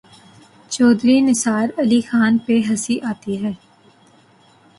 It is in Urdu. چوہدری نثار علی خان پہ ہنسی آتی ہے۔